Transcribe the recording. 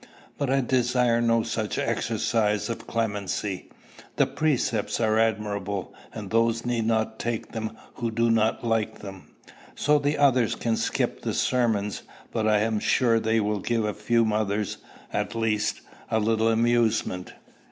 "But I desire no such exercise of clemency. The precepts are admirable; and those need not take them who do not like them." "So the others can skip the sermons; but I am sure they will give a few mothers, at least, a little amusement.